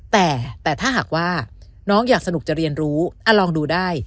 แต่ถ้าหากว่าน้องอยากสนุกจะเรียนรู้ลองดูได้